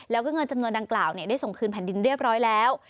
แล้วก็เงินจำนวนดังกล่าวได้ส่งคืนแผ่นดินเรียบร้อยแล้ว